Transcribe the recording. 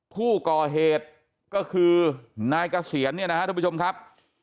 ผู้ก่อเหตุก็คือนายเกษียณเนี่ยนะครับทุกผู้ชมครับ